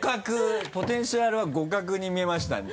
ポテンシャルは互角に見えましたんで。